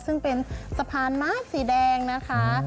ซึ่งเป็นสะพานไม้สีแดงนะคะ